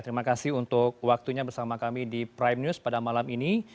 terima kasih untuk waktunya bersama kami di prime news pada malam ini